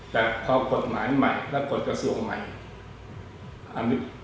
แต่กฎหมายใหม่กองสันนี้